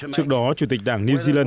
trước đó chủ tịch đảng new zealand